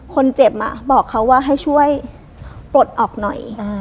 คนเจ็บบอกเขาว่าให้ช่วยปลดออกหน่อย